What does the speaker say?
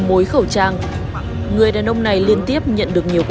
em nói cho quan trọng là do em kiếm hàng không kỹ thôi